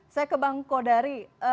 saya ke bang kodari